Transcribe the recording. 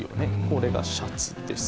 これがシャツです。